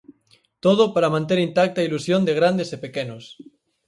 Todo para manter intacta a ilusión de grandes e pequenos.